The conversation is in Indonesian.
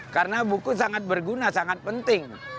karena buku sangat berguna sangat penting